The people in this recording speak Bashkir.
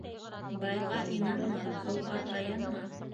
Байға инанма, һыуға таянма.